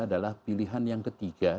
adalah pilihan yang ketiga